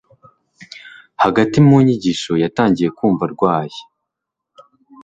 hagati mu nyigisho, yatangiye kumva arwaye